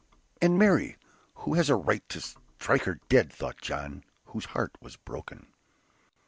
"And Mary? who has a right to strike her dead?" thought John, whose heart was broken.